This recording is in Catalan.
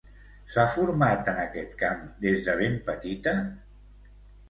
S'ha format en aquest camp des de ben petita?